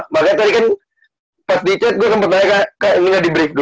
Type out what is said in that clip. makanya tadi kan pas di chat gue sempet tanya kak ini ga di brief dulu